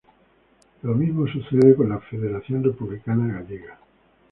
Lo mismo sucede con la Federación Republicana Gallega.